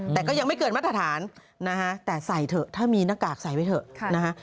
แต่ก็ยังไม่เกินมาตรฐานนะฮะแต่ใส่เถอะถ้ามีหน้ากากใส่ไว้เถอะนะฮะ